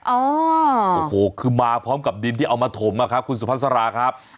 โอ้โหคือมาพร้อมกับดินที่เอามาถมนะครับคุณสุภาษาราครับ